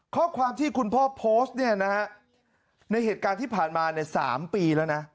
ข้อความที่คุณพ่อโพสต์เนี่ยนะฮะในเหตุการณ์ที่ผ่านมาเนี่ย๓ปีแล้วนะ